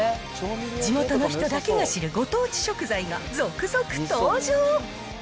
地元の人だけが知るご当地食材が続々登場。